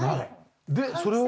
でそれは？